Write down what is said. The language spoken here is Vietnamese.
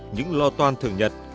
những lo toan thường nhật